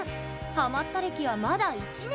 ハマった歴はまだ１年。